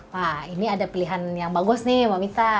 wah ini ada pilihan yang bagus nih mamita